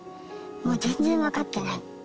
「もう全然分かってない」。